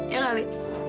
ya gak li